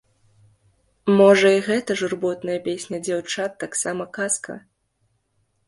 Можа, і гэта журботная песня дзяўчат таксама казка?